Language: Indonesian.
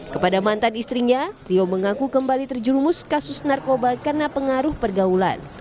kepada mantan istrinya rio mengaku kembali terjerumus kasus narkoba karena pengaruh pergaulan